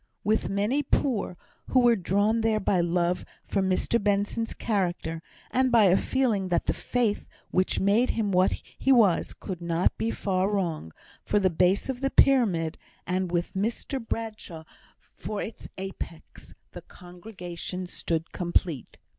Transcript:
With many poor, who were drawn there by love for Mr Benson's character, and by a feeling that the faith which made him what he was could not be far wrong, for the base of the pyramid, and with Mr Bradshaw for its apex, the congregation stood complete.